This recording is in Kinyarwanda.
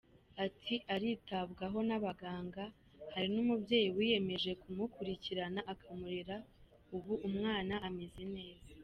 Ati “Aritabwaho n’abaganga, hari n’umubyeyi wiyemeje kumukurikirana akamurera, ubu umwana ameze neza”.